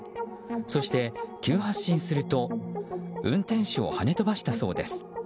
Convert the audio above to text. そして急発進すると運転手をはね飛ばしたそうです。